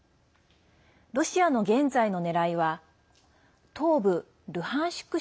ロシアの現在のねらいは東部ルハンシク